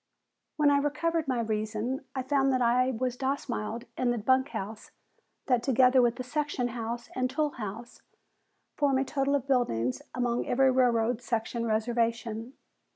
When I recovered my reason, I found that I was domiciled in the bunk house, that together with the section house and tool house form the total of buildings upon every railroad "section" reservation.